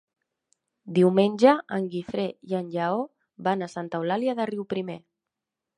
Diumenge en Guifré i en Lleó van a Santa Eulàlia de Riuprimer.